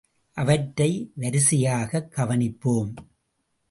அவற்றை வரிசையாகக் கவனிப்போம்.